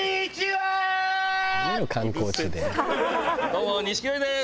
どうも錦鯉です。